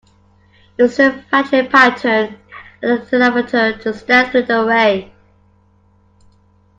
Use the factory pattern and an iterator to step through the array.